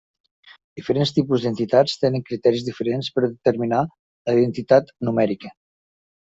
Diferents tipus d'entitats tenen criteris diferents per determinar la identitat numèrica.